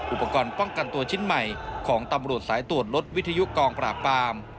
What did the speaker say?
อุปกรณ์ป้องกันตัวชิ้นใหม่ของตำรวจสายตรวจรถวิทยุกองปราบปาม